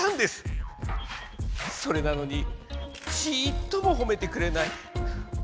それなのにちっともほめてくれない。